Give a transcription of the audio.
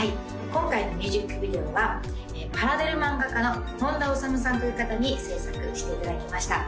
今回のミュージックビデオはパラデル漫画家の本多修さんという方に制作していただきました